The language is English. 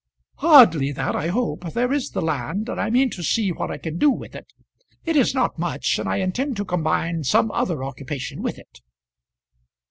"Hardly that, I hope. There is the land, and I mean to see what I can do with it. It is not much, and I intend to combine some other occupation with it."